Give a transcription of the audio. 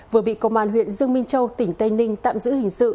vừa bị công an huyện dương minh châu tỉnh tây ninh tạm giữ hình sự